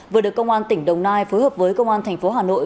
vừa được công an tỉnh đồng nai phối hợp với công an thành phố hà nội